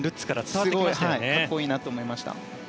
すごく格好いいなと思いました。